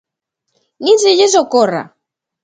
Nin se lles ocorra!